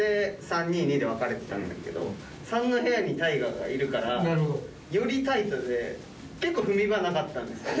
で３２２で分かれてたんだけど３の部屋にタイガーがいるからよりタイトで結構踏み場なかったんですよ。